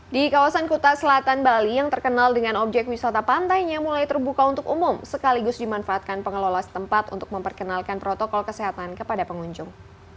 di kawasan kuta selatan bali yang terkenal dengan objek wisata pantainya mulai terbuka untuk umum sekaligus dimanfaatkan pengelola setempat untuk memperkenalkan protokol kesehatan kepada pengunjung